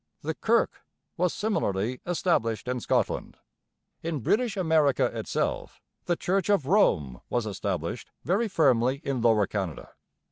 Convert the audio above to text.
The 'Kirk' was similarly 'established' in Scotland. In British America itself the Church of Rome was 'established' very firmly in Lower Canada.